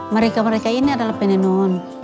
mereka mereka ini adalah penenun